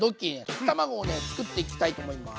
溶き卵を作っていきたいと思います。